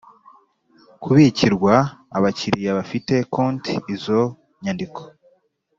Kubikirwa abakiriya bafite konti izo nyandiko